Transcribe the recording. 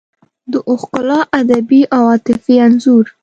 د ښکلا ادبي او عاطفي انځور